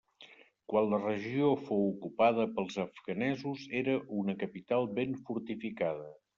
Quan la regió fou ocupada pels afganesos era una capital ben fortificada.